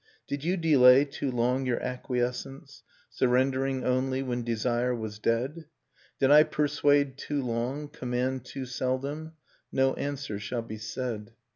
Did you delay too long your acquiescence, Surrendering only when desire was dead? Did I persuade too long, command too seldom? No answer shall be said.